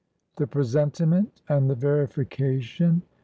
THE PRESENTIMENT AND THE VERIFICATION.